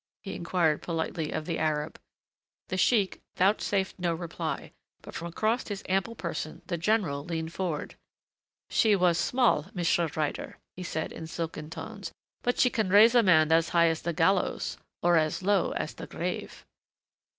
he inquired politely of the Arab. The sheik vouchsafed no reply, but from across his ample person the general leaned forward. "She was small, Monsieur Ryder," he said in silken tones, "but she can raise a man as high as the gallows or as low as the grave."